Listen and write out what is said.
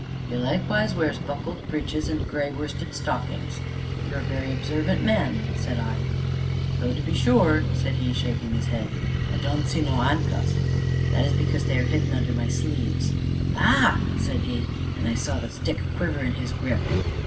"You likewise wears buckled breeches, and gray worsted stockings." "You are a very observant man!" said I. "Though, to be sure," said he, shaking his head, "I don't see no 'andcuffs." "That is because they are hidden under my sleeves." "A h h!" said he, and I saw the stick quiver in his grip.